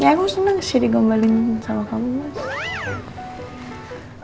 ya aku seneng sih digombalin sama kamu mas